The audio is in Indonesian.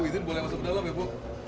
izin boleh masuk ke dalam ya bu